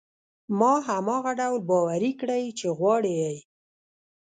هغه هماغه ډول باوري کړئ چې غواړي يې.